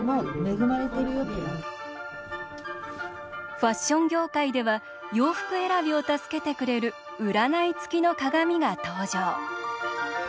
ファッション業界では洋服選びを助けてくれる占いつきの鏡が登場。